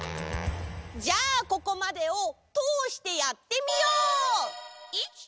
じゃあここまでをとおしてやってみよう！